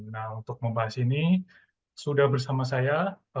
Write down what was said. nah untuk membahas ini sudah bersama saya